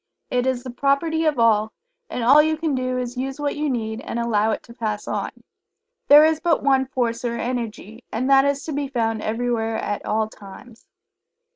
It is the property of all, and all you can do is to use what you need, and allow it to pass on. There is but one Force or Energy, and that is to be found everywhere at all times.